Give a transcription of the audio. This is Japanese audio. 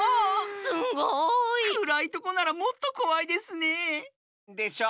すごい！くらいとこならもっとこわいですねえ。でしょう？